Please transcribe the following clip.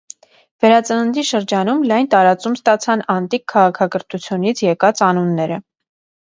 Վերածննդի շրջանում լայն տարածում ստացան անտիկ քաղաքակրթությունից եկած անունները։